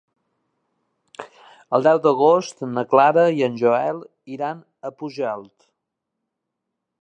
El deu d'agost na Clara i en Joel iran a Pujalt.